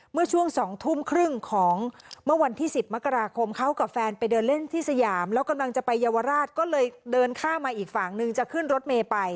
เมื่อช่วง๒ทุ่มครึ่งของเมื่อวันที่๑๐มกราคมเขากับแฟนไปเดินเล่นที่สยามแล้วกำลังจะไปเยาวราชก็เลยเดินข้ามมาอีกฝั่งนึงจะขึ้นรถเมย์ไป